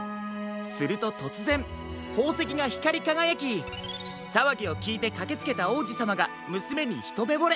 するととつぜんほうせきがひかりかがやきさわぎをきいてかけつけたおうじさまがむすめにひとめぼれ。